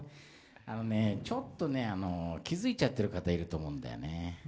あのね、ちょっと気づいちゃってる方いると思うんだよね。